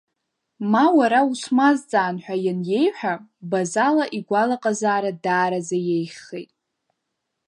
Ма, уара усмазҵаан ҳәа ианиеиҳәа Базала игәалаҟазаара даараӡа иеиӷьхеит.